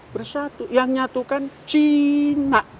bersatu yang nyatukan cina